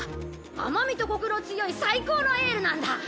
甘みとコクの強い最高のエールなんだ！